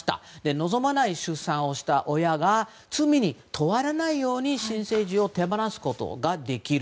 望まない出産をした親が罪に問われないように新生児を手放すことができる。